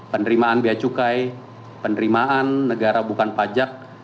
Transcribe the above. penerimaan biaya cukai penerimaan negara bukan pajak